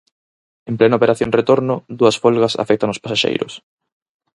En plena operación retorno dúas folgas afectan ós pasaxeiros.